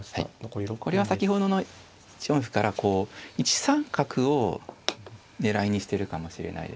これは先ほどの１四歩からこう１三角を狙いにしてるかもしれないですね。